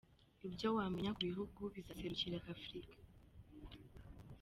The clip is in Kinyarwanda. Ibyo wamenya ku bihugu bizaserukira Afurika .